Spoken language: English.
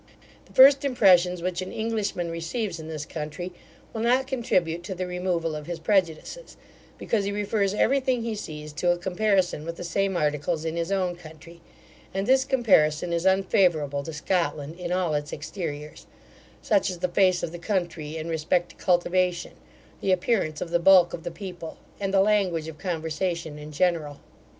The first impressions which an Englishman receives in this country, will not contribute to the removal of his prejudices; because he refers every thing he sees to a comparison with the same articles in his own country; and this comparison is unfavourable to Scotland in all its exteriors, such as the face of the country in respect to cultivation, the appearance of the bulk of the people, and the language of conversation in general.